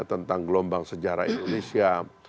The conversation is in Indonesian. tentang gelombang sejarah indonesia